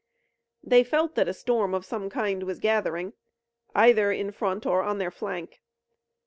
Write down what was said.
They felt that a storm of some kind was gathering, either in front or on their flank.